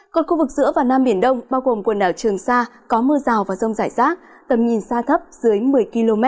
còn khu vực giữa và nam biển đông bao gồm quần đảo trường sa có mưa rào và rông rải rác tầm nhìn xa thấp dưới một mươi km